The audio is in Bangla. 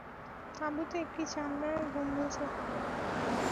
তাঁবুতে একটি চামড়ার গম্বুজ।